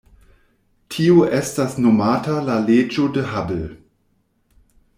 Tio estas nomata la leĝo de Hubble.